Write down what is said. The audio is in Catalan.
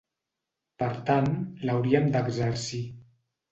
Per tant, l’hauríem d’exercir.